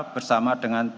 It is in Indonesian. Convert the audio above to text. bersama dengan apc